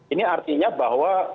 ini artinya bahwa